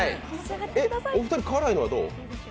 お二人辛いのは、どう？